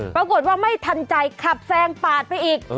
ปรากฏว่าไม่ทันใจขับแซงปาดไปอีก